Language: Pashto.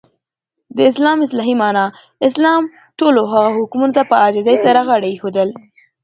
د اسلام اصطلاحی معنا : اسلام ټولو هغه احکامو ته په عاجزی سره غاړه ایښودل.